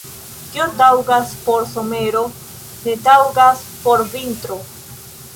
Kio taŭgas por somero, ne taŭgas por vintro.